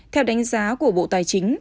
theo đánh giá của bộ tài chính